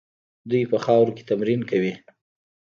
دوی په خاورو کې تمرین کوي.